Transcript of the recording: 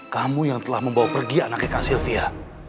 kamu yang telah membawa pergi anaknya kak sylvia